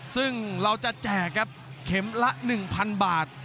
ซึ่งเราจะแจกครับเข็มละ๑๐๐๐บาท